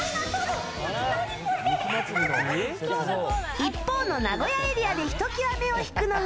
一方の名古屋エリアでひときわ目を引くのが。